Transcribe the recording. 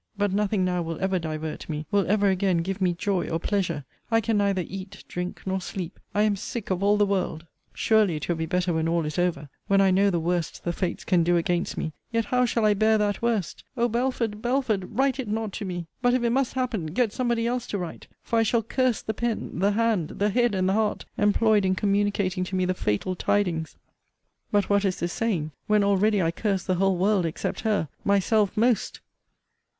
But nothing now will ever divert me, will ever again give me joy or pleasure! I can neither eat, drink, nor sleep. I am sick of all the world. Surely it will be better when all is over when I know the worst the Fates can do against me yet how shall I bear that worst? O Belford, Belford! write it not to me! But if it must happen, get somebody else to write; for I shall curse the pen, the hand, the head, and the heart, employed in communicating to me the fatal tidings. But what is this saying, when already I curse the whole world except her myself most?